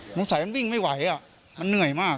หนุ่มสายมันวิ่งไม่ไหวอ่ะมันเหนื่อยมาก